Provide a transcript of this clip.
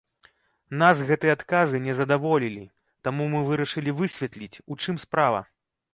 Нас гэтыя адказы не задаволілі, таму мы вырашылі высветліць, у чым справа.